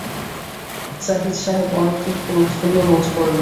জাহিদ সাহেব অনেক দিন পর উৎফুল্ল বোধ করলেন।